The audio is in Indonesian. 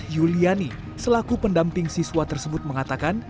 yuliani selaku pendamping siswa tersebut mengatakan